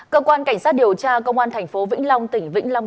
cơ quan cảnh sát điều tra công an tp vĩnh long tỉnh vĩnh lâm